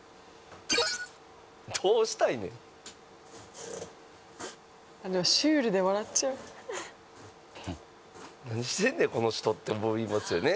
どうしたいねんシュールで笑っちゃう何してんねんこの人って思いますよね